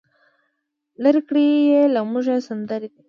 لرې کړی یې له موږه سمندر دی